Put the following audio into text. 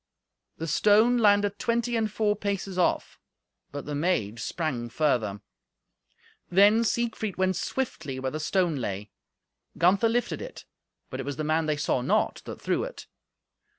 The stone landed twenty and four paces off; but the maid sprang further. Then Siegfried went swiftly where the stone lay. Gunther lifted it, but it was the man they saw not that threw it.